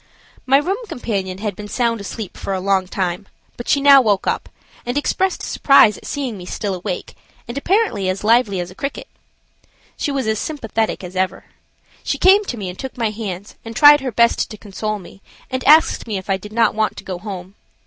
My room companion had been sound asleep for a long time, but she now woke up, and expressed surprise at seeing me still awake and apparently as lively as a cricket. She was as sympathetic as ever. She came to me and took my hands and tried her best to console me, and asked me if I did not want to go home.